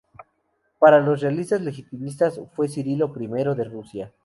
Para los realistas legitimistas fue Cirilo I de Rusia.